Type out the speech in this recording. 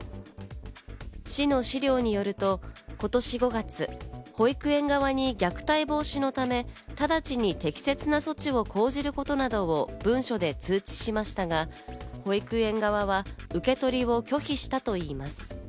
市の資料によると今年５月、保育園側に虐待防止のため直ちに適切な措置を講じることなどを文書で通知しましたが、保育園側は受け取りを拒否したといいます。